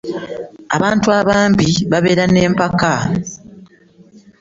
Abantu abampi babeera ne mpaka.